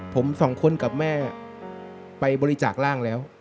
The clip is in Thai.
ผมสองคนกับแม่ไปบริจาคร่างแล้ว